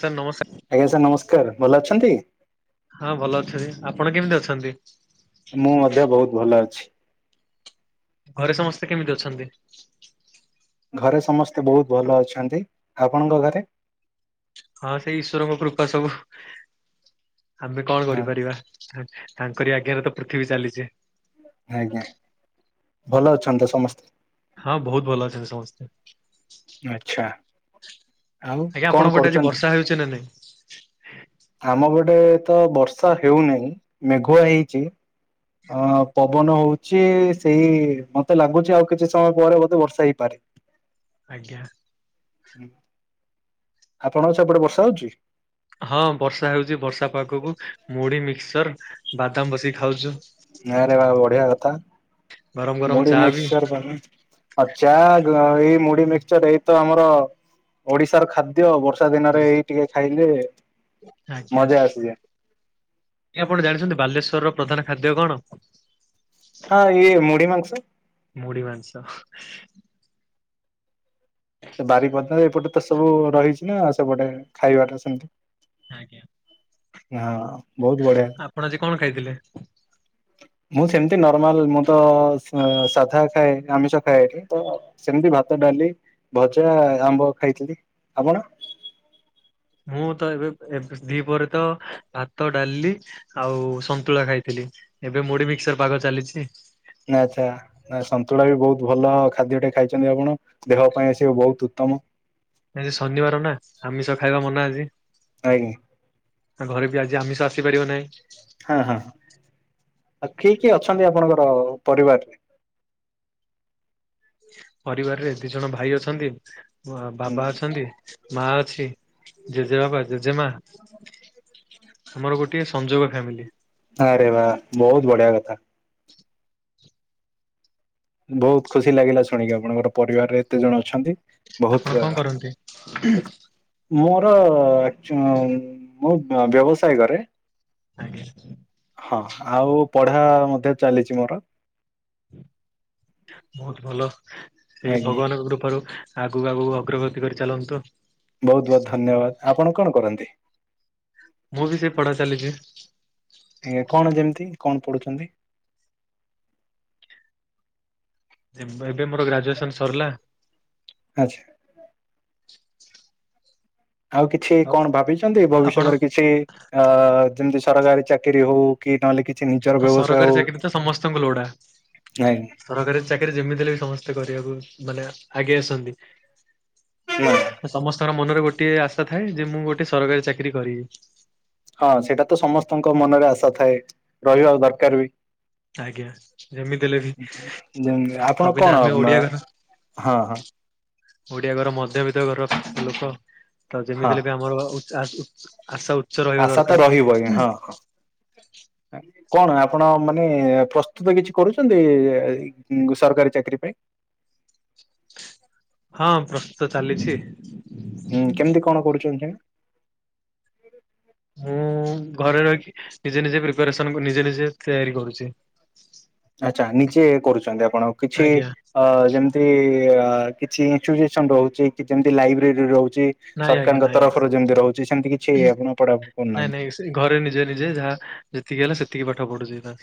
Sir ନମସ୍କାର ଆଜ୍ଞା sir ନମସ୍କାର ଭଲ ଅଛନ୍ତି । ହଁ ଭଲ ଅଛନ୍ତି ଆପଣ କେମିତି ଅଛନ୍ତି । ମୁଁ ମଧ୍ୟ ବହୁତ [inaudible] ଘରେ ସମସ୍ତେ କେମିତି ଅଛନ୍ତି । ଘରେ ସମସ୍ତେ ବହୁତ ଭଲ ଅଛନ୍ତି ଆପଣଙ୍କ ଘରେ । ହଁ ସେଇ ଈଶ୍ୱରଙ୍କ କୃପା [inaudible] ଆମେ ବି କଣ ହଁ, କରିପାରିବା । ତାଙ୍କରି ଆଜ୍ଞାରେ ତ ପୃଥିବୀ ଚାଲିଛି । ଆଜ୍ଞା ଭଲ ଅଛନ୍ତି ତ ସମସ୍ତେ । ହଁ ବହୁତ ଭଲ ଅଛନ୍ତି ସମସ୍ତେ । ଆଚ୍ଛା ଆଉ ଆଜ୍ଞା କଣ ଆପଣ ପଟେ ଆଜି କରୁଛନ୍ତି? ବର୍ଷା ହୋଇଛି ନା ନାଇଁ । ଆମ ପଟେ ତ ବର୍ଷା ହେଉନାହିଁ ମେଘୁଆ ହେଇଛି ଅ ପବନ ହଉଛି ସେଇ ମତେ ଲାଗୁଛି ଆଉ କିଛି ସମୟ ପରେ ବୋଧେ ବର୍ଷା ହେଇପାରେ । ଆଜ୍ଞା । ହୁଁ । ଆପଣଛ ଏପଟେ ବର୍ଷା ହଉଛି ହଁ ବର୍ଷା ହଉଛି ବର୍ଷା ପାଖକୁ ମୁଢି ମିକ୍ସଚର ବାଦାମ ବସିକି ଖାଉଛୁ ନଁରେ ବା ବଢିଆ କଥା ଗରମ ଗରମ ମଡି ଚା ବି ମିକ୍ସଚର ଚା ମୁଢ ମିକସଚର ଏଇତ ଆମର ଓଡିଶାର ଖାଦ୍ୟ ବର୍ଷ ବଷା ଦିନରେ ଏଇ ଟିକେ ଖାଇଲେ ଆଜ୍ଞା ମଜା ଆସିଯାଏ ଆପଣ ଜାଣିଛନ୍ତି ବାଲେଶ୍ଵର ର ପ୍ରଧାନ ଖାଦ୍ୟ କଣ ହଁ ଇ ମଡ଼ି ମାାଗସ ମୁଢି ମାଂସ ସେ ବାରି ପଧ ଏପଟେ ତ ସବୁ ରହିଛି ନା ସେପଟେ ଖାଇବାଟା ସେମତି ଆଜ୍ଞା ହଁ ବହୁତ ବଢିଆ ଆପଣ ଆଜି କଣ ଖାଇଥିଲେ ମୁଁ ସେମତି ନର୍ମାଲ ମୁଁ ତ ସାଧା ଖାଏ ଆମିଷ ଖାଏ ଏଠି ତ ସେମତି ଭାତ ଡାଲି ଭଜା ଆମ୍ବ ଖାଇଥିଲି ଆପଣ ମୁଁ ତ ଏବେ ଏବେ ଦି ପରେ ତ ଭାତ ଡାଲି ଆଉ ସନ୍ତୁଳା ଖାଇଥିଲି ଏବେ ମୋଢ ମିକ୍ସର ପାଗ ଚାଲିଛି ନା ଆଚଛା ନା ସନ୍ତୁଳା ବି ବହୁତ ଭଲ ଖାଦ୍ୟଟେ ଖାଇଛନ୍ତି ଆପଣ ଦେହ ପାଇଁ ଆସିବ ବହୁତ ଉତ୍ତମ ଆଜି ଶନିବାର ନା ଆମିଷ ଖାଇବା ମନା ଆଜି ନାଇଁ କି? ଆ ଘରେ ବି ଆଜି ଆମିଷ ଆସିପାରିବ ନାହିଁ ହଁ ହଁ ଆଉ କିଏ କିଏ ଅଛନ୍ତି ଆପଣଙ୍କର ପରିବାରରେ ପରିବାରରେ ଦି ଜଣ ଭାଇ ଅଛନ୍ତି ବାବା ଅଛନ୍ତି ମା ଅ ଜେଜେ ବାବା ଜେଜେମା ଆମର ଗୋଟିଏ ସଂଯୋଗ ଫାମିଲି ହରେ ବାା ବହୁତ ବଢିଆ କଥା ବହୁତ ଖୁସି ଲାଗିଲା ଶୁଣିକି ଆପଣଙ୍କର ପରିବାରରେ ଏତେ ଜଣ ଅଛନ୍ତି ଆପଣ ବହୁତ କଣ କରନ୍ତି? ମୋର ମର ମୁଁ ବ୍ୟବସାୟ କରେ ଆଜ୍ା ହଁ ଆଉ ପଢା ମଧ୍ୟ ଚାଲିଛି ମୋର ବହୁତ ଭଲ ସେଇ ଆଜ୍ଞା ଭଗବାନଙ୍କ କୃପାରୁ ଆଗକୁ ଆଗକୁ ଅଗ୍ରଗତି କରି ଚାଲନ୍ତୁ ବହୁତ ବହୁତ ଧନ୍ୟବାଦ ଆପଣ କଣ କରନ୍ତି ମୁଁ ବି ସେ ପଢା ଚାଲିଛି ଆଜ୍ଞା କଣ ଯେମିତି କଣ ପଢୁଛନ୍ତି ଏବେ ମୋର ଗ୍ରାଜୁଏସନ ସରିଲା ଆଚ୍ଛା। ଆଉ କିଛି କଣ ଭାବିଛନ୍ତି ଆପଣ ଭବିଷ୍ୟତରେ କିଛି ଅ ଯେମିତି ସରକାରୀ ଚାକିରି ହଉ କି ନହେଲେ କିଛି ନିଜର ହଁ ବ୍ୟବସାୟ ସରକାରୀ ହଉ ଚାକିରିୀ ତ ସମସ୍ତଙ୍କୁ ଲୋଡା ନାଇଁ ସରକାରୀ ଚାକିରୀ ଯେମିତିଲେ ବି ସମସ୍ତ କରିବାକୁ ମାନେ ଆଗେଇ ଆସନ୍ତି। ସମସ୍ତର ମନରେ ଗୋଟଏ ଆଶା ଥାଏ ଯେ ମୁଁ ଗୋଟେ ସରକାରୀ ଚାକିରି କରିବି। ହଁ ସେଇଟା ତ ସମସ୍ତଙ୍କ ମନରେ ଆଶା ଥାଏ ରହିବା ଦରକାର ବି। ଆଜ୍ଞା। ଯେମିତି ହେଲେ ବି ଆପଣ କାହିଁକିନା କଣ ଆମେ ଓଡିଆ ଘର ହଁ ହଁ। ଓଡିଆ ଘର ମଧ୍ୟବିତ୍ତ ଘରର ଲୋକ ତ ହଁ ଯେମିତିଲେ ବି ଆମର ଆ ଆସ ଆଶା ତ ରହିବ ଆଜ୍ଞ ହଁ ହଁ। କଣ ଆପଣ ମାନେ ପ୍ରସ୍ତୁତ କିଛି କରୁଛନ୍ତି ସରକାରୀ ଚାକିରିୀ ପାଇଁ। ହଁ ପ୍ରସ୍ତୁତ ଚାଲିଛି। ହୁଁ କେମିତି କଣ କରୁଛନ୍ତି? ସେ ମୁଁ ଘରେ ରହି ନିଜେ ନିଜେ ପ୍ରିପାରେସନ ନିଜେ ନିଜେ ତିଆରି କରୁଛି। ଆଚଛା ନିଜେ କରୁଛନ୍ତି ଆପଣ କିଛି ଆଜ୍ଞା ଅ ଯେମିତି କିଛି ଇୁସ ରହୁଛି କି ଯେମିତି ଲାଇବ୍ରେରୀ ରହୁଛି। ନାଇଁ ଆଜ୍ଞା ସରକାରଙ୍କ ନାଇଁ ଆଜ୍ଞା ତରଫରୁ ଯେମତି ରହୁଛି ସେମତି କିଛି ଆପଣ ପଢାଢି ନାଇଁ କରୁନାହାନ୍ତି। ନାଇଁ ଟତିିକେ ପାଠ ପଢୁଛି ତା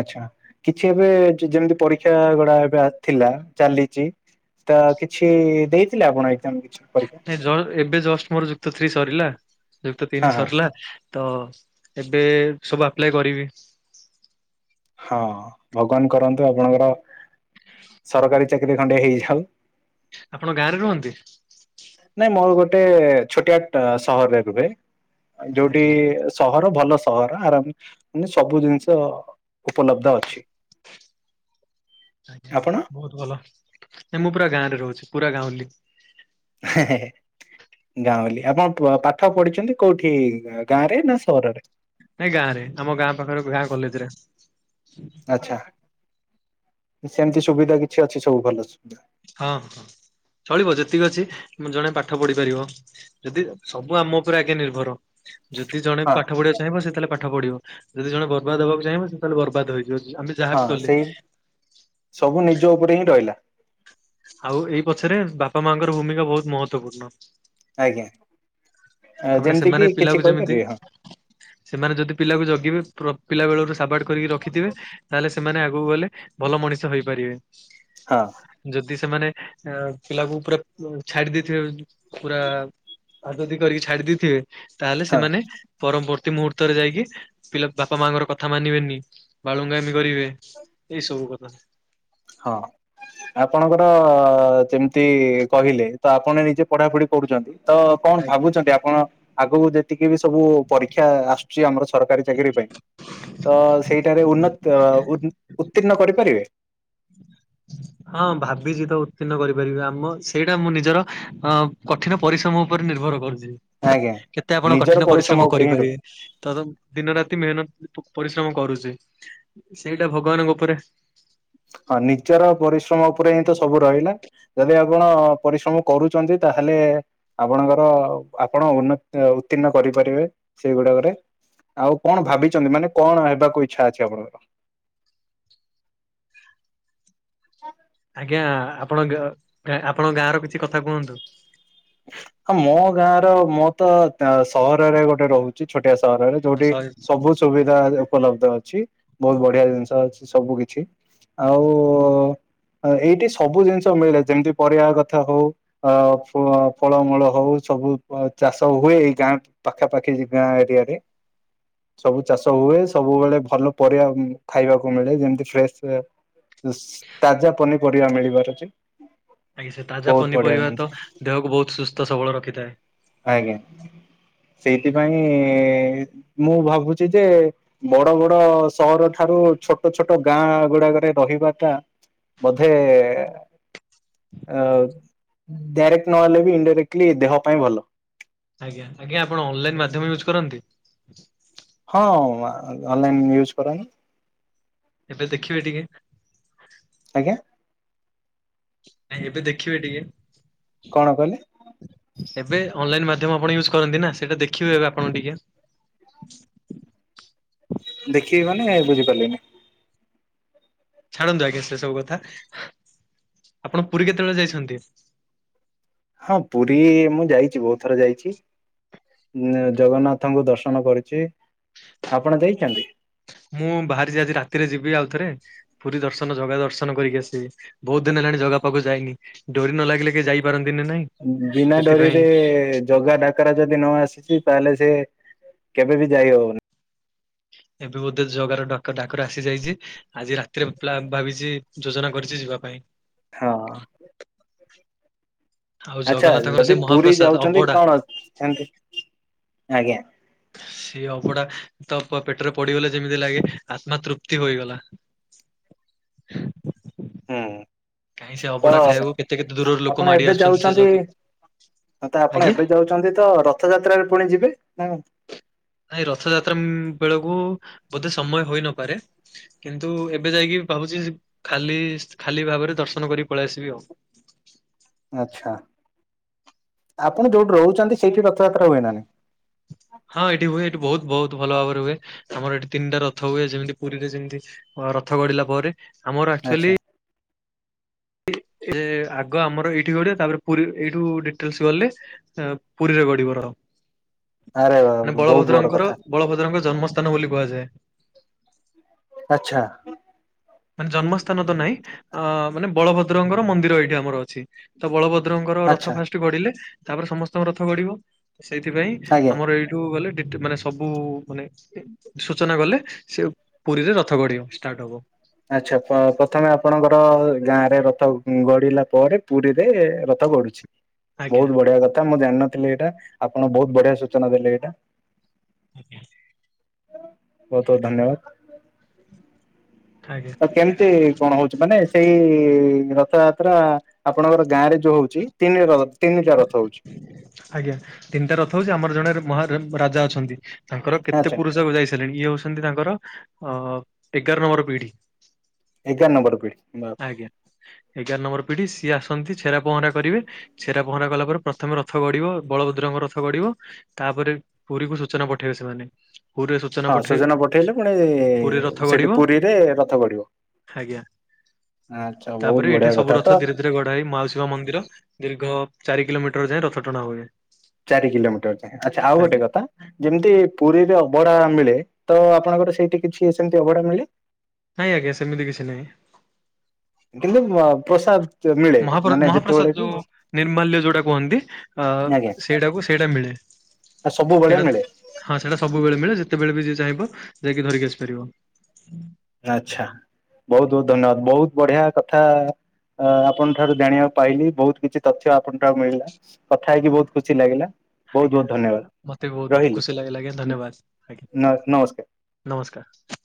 ଆଛା କିଛି ଏବେ ଯେମିତି ପରୀକ୍ଷା ଗୁଡା ଏବେ ଥିଲା ଚାଲିଛି ତ କିଛି ଦେଇଥିଲେ ଆପଣ ଏାମ ଏବେ ଜଷ୍ଟ ମୋର ଯୁକ୍ତ ସ୍ତ୍ରୀ ସରିଲା। ଯୁକ୍ତ ତିନି ହଁ ହଁ ସରିଲା ତ ଏବେ ସବୁ ଆପ୍ଲାଏ କରିବି। ହଁ ଭଗବାନ କରନ୍ତୁ ଆପଣଙ୍କର ସରକାରୀ ଚାକିରି ଖଣ୍ଡେ ହେଇ ଲ ଆପଣଙ୍କ ଗାଁରେ ରୁହନ୍ତି। ନାଇଁ ମୋର ଗୋଟେ ଛୋଟିଆ ସହରରେ ରୁହେ। ଯୋଉଠି ଆଜ୍ଞା ସହର ଭଲ ସହର ଆରାମ ମାନେ ସବୁ ଜିନିଷ ଉପଲବ୍ଧ ଅଛି। ଆଜ୍ଞା ଆପଣ ବହୁତ ଭଲ ନଁ ମୁଁ ପୁରା ଗାଁ ରେ ରହୁଛି ପୁରା ଗାଁରେ [unintelligible] ଗାଁଉଁଲି ଆପଣ ପାଠ ପଢିଛନ୍ତି କୋଉଠି ଗାଁ ରେ ନା ସହରରେ? ନାଇଁ ଗାଁ ରେ ଆମ ଗାଁ ପାଖରେ ଗାଁ କଲେଜରେ। [inaudible] ଆଚ୍ଛା ସେମିତି ସୁବିଧା କିଛି ଅଛି ସବୁ ଭଲ ସୁବିଧା। ହଁ ହଁ ଚଳିବ ଯେତିକି ଅଛି ଜଣେ ପାଠ ପଢିପାରିବ ଯଦି ସବୁ ଆମ ଉପରେ ଆଗେ ନିର୍ଭର। ଯଦି ଜଣେ ହଁ ପାଠ ପଢିବାକୁ ଚାହିଁବ ସେତାହାଲେ ପା ପାଠ ପଢ଼ିବ ଯଦି ଜଣେ ବର୍ବାଦହବାକୁ ଚାହିଁବ ସେ ତାହଲେ ବର୍ବାଦ ହେଇ ହଁ ସେଇ [inaudible] ସବୁ ନିଜ ଉପରେ ହିଁ ରହିଲା। ଆଉ ଏଇ ପଛରେ ବାପା ମାଙ୍କର ଭୂମିକା ବହୁତ ମହତ୍ଵପୂର୍ଣ୍ଣ। ଆଜ୍ଞା। ତାମାନେ ଯେମିତି କିି ସେମାନେ କିଛି ପିଲାକୁ ଯେମିତି କହିପାରିବେ ହଁ ସେମାନେ ଯଦି ପିଲାକୁ ଜଗିବେ। ପିଲା ବେଳୁରୁ ସାବାଡ କରିକି ରଖିଥିବେ ତାହେଲେ ସେ ସେମାନେ ଆଗକୁ ଗଲେ ଭଲ ମଣିଷ ହେଇପାରିବେ। ହଁ ଯଦି ସେମାନେ ପିଲାକୁ ପୁରା ଛାଡି ଦେଇଥିବ ପୁରା ହାତତି କରିକି ଛାଡ଼ିଦେଇଥିବେ। ତାହେଲେ ହଁ ସେମାନେ ପରମ୍ବର୍ତ୍ତ ପ୍ରତି ମୁହୂର୍ତ୍ତରେ ଯାଇକି ପିଲା ବାପା ମାଆଙ୍କର କଥା ମାନିବେନି ବାଳୁଙ୍ଗାମି କରିବେ ଏଇ ସବୁ କଥା। ହଁ ଆପଣଙ୍କର ଯେମିତି କହିଲେ ତ ଆପଣ ନିଜେ ପଢାପଢି କରୁଛନ୍ତି। ତ କଣ ଭାବୁଛନ୍ତି ଆପଣ? ଆଗକୁ ଯେତିକି ବି ସବୁ ପରୀକ୍ଷା ଆସୁଛି ଆମର ସରକାରୀ ଚାକିରୀ ପାଇଁ ତ ସେଇଟାରେ ଉନ୍ନ ଉତ୍ତୀର୍ଣ କରିପାରିବେ? ହଁ ଭାବିଛି ତ ଉତ୍ତୀର୍ଣ୍ଣ କରିପାରିବି ଆମ ସେଇଟା ମୁଁ ନିଜର ଅ କଠିନ ପରିଶ୍ରମ ଉପରେ ନିର୍ଭର କରୁଛି। ଆଜ୍ଞା। କେତେ ଆପଣ ନିଜର କଠିନ ପରିଶ୍ରମ ଉପରେ ହିଁ କରିପାରିବେ ତ ଦିନ ରାତି ମେହନତ ପରିଶ୍ରମ କରୁଛି ସେଇଟା ଭଗବାନଙ୍କ ଉପରେ ହଁ ନିଜର ପରିଶ୍ରମ ଉପରେ ହିଁ ତ ସବୁ ରହିଲା ଯଦି ଆପଣ ପରିଶ୍ରମ କରୁଛନ୍ତି ତାହେଲେ ଆପଣଙ୍କର ଆପଣ ଉନ ଉତ୍ତୀର୍ଣ୍ଣ କରିପାରିବେ ସେଇଗୁଡାକରେ ଆଉ କଣ ଭାବିଛନ୍ତି ମାନେ କଣ ହେବାକୁ ଇଛା ଅଛି ଆପଣଙ୍କର [inaudible] ହଁ ଆଜ୍ଞା ଆପଣ ଆପଣଙ୍କ ଗାଁ ର କିଛି କଥା କୁହନ୍ତୁ ଆ ମୋ ଗାଁ ର ମୋ ତ ସହରରେ ଗୋଟେ ରହୁଛି ଛୋଟ ସହରରେ ଯୋଉଠି ସବୁ ସୁବିଧା। ଉପଲବ୍ଧ ଅଛି ବହୁତ ବଢିଆ ଜିନିଷ ଅଛି ସବୁ କିଛି ଆଉ ଏଇଠି ସବୁ ଜିନିଷ ମିଳେ ଯେମିତି ପରିବା କଥା ହଉ ଆ ଫଳମୂଳ ହଉ ସବୁ ଚାଷ ହୁଏ ଏଇ ଗାଁ ପାଖାପାଖି ଗାଁ ଏରିଆରେ ସବୁ ଚାଷ ହୁଏ ସବୁବେଳେ ଭଲ ପରିବା ଖାଇବାକୁ ମିଳେ ଯେମତି ଫ୍ରେଶ ତାଜା ପନିପରିବା ମିଳିବାର ଅଛି। ଆଜ୍ଞା ସେ ତାଜା ପନିପରିବା ତ ଦେହ ବହୁତ ସୁସ୍ଥ ସବଳ ଆଜ୍ଞା ରଖିଥାଏ। [inaudible] ସେଇଥିପାଇଁ ମୁଁ ଭାବୁଛି ଯେ ବଡ ବଡ ସହର ଠାରୁ ଛୋଟ ଛୋଟ ଗାଁ ଗୁଡାକରେ ରହିବାଟା ବୋଧେ [unintelligible] ନହଲେ ବି ଇନ୍ଡାଇରେକ୍ଟଲି ଦେହ ପାଇଁ ଭଲ। ଆଜ୍ଞା ଆଜ୍ଞା ଆପଣ ଅନଲାଇନ ମାଧ୍ୟମ କରନ୍ତି। ହଁ ଅନଲାଇନ୍ ୟୁଜ କରନି। ଏବେ ଦେଖିବେ ଟିକେ ଆଜ୍ଞା। ନାଇଁ ଏବେ ଦେଖିବେ ଟିକେ? କଣ କଲେ? ଏବେ ଅନଲାଇନ ମାଧ୍ୟମ ଆପଣ ୟୁଜ କରନ୍ତି ନା ସେଇଟା ଦେଖିବେ ଏବେ ଆପଣ ଟିକେ? ଦେଖିବି ମାନେ ବୁଝିପାରିଲିନି। ଛାଡ଼ନ୍ତୁ ଆଜ୍ଞା ସେ ସବୁ କଥା ଆପଣ ପୁରୀ କେତେବେଳେ ଯାଇଛନ୍ତି? ହଁ ପୁରୀ ମୁଁ ଯାଇଛି ବହୁତ ଥର ଯାଇଛି ଜଗନ୍ନାଥଙ୍କୁ ଦର୍ଶନ କରୁଛି ଆପଣ ଯାଇଛନ୍ତି? ମୁଁ ବାହାରିଛି ଆଜି ରାତିରେ ଯିବି ଆଉଥରେ ପୁରୀ ଦର୍ଶନ ଜଗା ଦର୍ଶନ କରିକି ଆସିବି ବହୁତ ଦିନ ହେଲାଣି ଜଝଗା ପାଖକୁ ଯାଇନି ।ଡୋରି ନ ଲାଗିଲେ କି ଯାଇପାରନ୍ତି ବିନା ଡରିରେ ଜଗା ଡାକରା ଯଦି ନ ଆସିଛି ତାହେଲେ ସେ କେବେ ବି ଯାଇ ହଉନି। ଏବେ ବୋଧେ ଜଗାର ଡକ ଡାକରା ଆସି ଯାଇଛି। ଆଜି ରାତିରେ ପା ଭାବିଛି ଯୋଜନା କରିଛି ଯିବା ପାଇଁ। ହଁ ଆଉ ଆଚ୍ଛା ଜଗନ୍ନାଥଙ୍କର ସେ ଯଦି ପୁରୀ ମହାପ୍ରସାଦ ଯାଉଛନ୍ତି ଅବଢା କଣ? ଏମତି ଆଜ୍ଞା। ସିଏ ଅଭଡା ତ ପେଟରେ ପଡିଗଲେ ଯେମିତି ଲାଗେ ଆତ୍ମା ତୃପ୍ତି ହୋଇଗଲା। ହୁଁ। କାହିଁ ସେ ତ ଅବଢା ଖାଇବାକୁ କେତେ କେତେ ଦୂରରୁ ଲୋକ ଆପଣ ମାଡି ଏବେ ଆସୁଛନ୍ତି ସେ ଯାଉଛନ୍ତି ଜଗ ତ ଆପଣ ଆଜ୍ଞା ଏବେ ଯାଉଛନ୍ତି ତ ରଥଯାତ୍ରାରେ ପୁଣି ଯିବେ ନା କଣ? ନାଁଇ ରଥଯାତ୍ରା ବେଳକୁ ବୋଧେ ସମୟ ହୋଇନପାରେ କିନ୍ତୁ ଏବେ ଯାଇକି ଭାବୁଛି ଖାଲି ଖାଲି ଭାବରେ ଦର୍ଶନ କରି ପଳେଇ ଆସିବି ଆଉ। ଆଚ୍ଛା ଆପଣ ଯୋଉଠି ରହୁଛନ୍ତି ସେଇଠି ରଥଯାତ୍ରା ହୁଏ ନା ନାହିଁ। ହଁ ଏଠି ହୁଏ ଏଠି ବହୁତ ବହୁତ ଭଲ ଭାବରେ ହୁଏ। ଆମର ଏଠି ତିନିଟା ରଥ ହୁଏ ଯେମିତି ପୁରୀରେ ଯେମିତି ଅ ରଥ ଗଢିଲା ପରେ। ଆମର ନାଇଁ ଆଚ୍ଛା ଆକ୍ଚୁଆଲି ଆଗ ଆମର ଏଇଠି ଗ ତାପରେ ଏଇଠୁ ଡିଟେଲସ ଗଲେ ପୁରୀରେ ଗଢିବ ର ଆରେ [unintelligible] ମାନେ ବହୁତ ବଡ ବଳଭଦ୍ରଙ୍କର କଥା ବଳଭଦ୍ରଙ୍କ ଜନ୍ମସ୍ଥ ପତନ ବୋଲି କୁହାଯାଏ। ଆଚ୍ଛା। ମାନେ ଜନ୍ମସ୍ ତନ ତ ନାଁଇ ଅ ମାନେ ବଳଭଦ୍ରଙ୍କର ମନ୍ଦିର ଏଇଠି ଆମର ଅଛି ତ ବଳଭଦ୍ ଭଦ୍ରଙ୍କର ରଥ ଆଚ୍ଛା ଫାଷ୍ଟ ଗଡିଲେ ତାପରେ ସମସ୍ତଙ୍କ ରଥ ଗଢିବ। ସେଇଥିପାଇଁ ଆଜ୍ଞା ଆମର ଏଇଠୁ ଗଲେ ଡେ ତ ମାନେ ସବୁ ମାନେ ସୂଚନା ଗଲେ ସେ ପୁରୀରେ ରଥ ଗଢିବ ଷ୍ଟାର୍ଟ ହବ। ଆଚ୍ଛା ପ୍ରଥମେ ଆପଣଙ୍କର ଗାଁରେ ରଥ ଗଡିଲା ପରେ ପୁରୀରେ ରଥ ଗଡୁଛି। ଆଜ୍ଞା ବହୁତ ବଢିଆ କଥା ମ ଜାଣିନଥିଲି ଏଇଟା ଆପଣ ବହୁତ ବଢିଆ ସୂଚନା ଦେଲେ ଏଇଟା। ଆଜ [unintelligible] ବହୁତ୍ ବହୁତ୍ ଧନ୍ୟବାଦ। ତ କେମିତି କଣ ହଉଛି ମାନେ ସେଇ ଇ ରଥ ଆତ୍ରା ଆପଣଙ୍କର ଗାଁ ରେ ଯୋଉ ହଉଛି । ତିନି ରଥ୍ ଆଜ୍ଞା ତିନିଟା ରଥ ହଉଛି ଆମର ଜଣେ ମହା ରାଜା ଅଛନ୍ତି। ତାଙ୍କର କେତେ ଆଚ୍ଛା ପୁରୁଷକୁ ଯାଇସାରିଲେଣି ଇଏ ହଉଛନ୍ତି ତାଙ୍କର ଅ ଏଗାର ନମ୍ବର ପିଢ଼ି। ଏଗାର ନମ୍ବର ପିଢ଼ି। ଆଜ୍ଞା ଏଗାର ନମ୍ବର୍ ପିଢି ସିଏ ଆସନ୍ତି ଛେରା ପହଁରା କରିବେ ଛେରା ପହଁରା କଲା ପରେ ପ୍ରଥମେ ରଥ ଗଡିବ ବଳଭଦ୍ରଙ୍କ ରଥ ଗଡିବ ତାପରେ ପୁରୀକୁ ସୂଚନା ପଠେଇବେ ସେମାନେ ପୁରୀରେ ସୂଚନା ହଁ ପଠେଇ ସଜନା ପଠେଇଲେ ପୁଣି ପୁରୀ ରଥ ସେଠି ଗଡିବ ପୁରୀରେ ରଥ ଗଢିବ। ଆଜ୍ଞା। ତାପରେ ଏଇଠି ସବୁ ରଥ ଧୀରେ ଧୀରେ ଗଡା ହେଇ ମାଉସିବ ମନ୍ଦିର ଧରେ ଦୀର୍ ଚାର କିଲୋମିଟର ଯଏ ରଥଟଣା ହୁଏ। ଚାରି କିଲୋମିଟର ଯାଏ ଆଚଛା ଆଉ ଗୋଟେ ଆଜ୍ଞା କଥା ଯେମିତି ପୁରୀରେ ଅବଢା ମିଳେ ତ ଆପଣଙ୍କର ସେଇଠି କିଛି ସେମିତି ଅଭଡା ମି ନାଇଁ ଆଜ୍ଞା ସେମିତି କିଛି ନହିଁ। କିନ୍ତୁ ପ୍ରସାଦ ମିଳେ ମହାପ ମାନେ ଯେତେବେଳେ ମହାପ୍ରସାଦ ବି ଯୋଉ ନିର୍ମାଲ୍ୟ ଯୋଉଟା କୁହନ୍ତି ଅ ଆଜ୍ଞା ସେଇଟାକୁ ସେଇଟା ମିଳେ ସବୁବେଳେ ସେଇଟା ମିଳେ ହଁ ସେଇଟା ସବୁବେଳେ ମିଳେ ଯେ କେତେବେଳେ ବି ଯିଏ ଚାହିଁବ ଯାଇକି ଧରିକି ଆସିପାରିବ। ଆଚ୍ଛା ବହୁତ ବହୁତ ଧନ୍ୟବାଦ ବହୁତ ବଢିଆ କଥା ଆପଣ ଠାରୁ ଜାଣିବାକୁ ପାଇଲିି ବହୁତ କିଛି ତଥ୍ୟ ଆପଣ ଠାରୁ ମିଳିଲା କଥା ହେଇକି ବହୁତ ଖୁସି ଲାଗିଲା। ବହୁତ ଆଜ୍ଞା ବହୁତ ଧନ୍ୟବାଦ ମତେ ବି ବହୁତ ରହିଲି ଖୁସି ଲାଗିଲ ଆଜ୍ଞା ଧନ୍ୟବାଦ ଆଜ୍ଞା ନମସ୍କାର। ନମସ୍କାର।